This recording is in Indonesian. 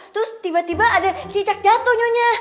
terus tiba tiba ada cicak jatuh nyonya